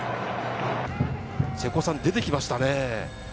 瀬古さん、出てきましたね。